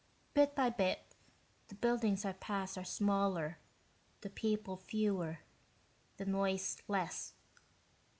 Bit by bit, the buildings I pass are smaller, the people fewer, the noise less.